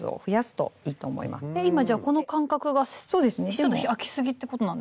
今じゃこの間隔がちょっと空きすぎってことなんですか？